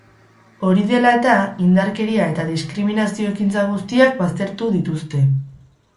Hori dela eta, indarkeria eta diskriminazio ekintza guztiak baztertu dituzte.